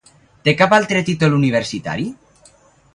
Té cap altre títol universitari?